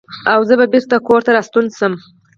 او زۀ بېرته کورته راستون شوم ـ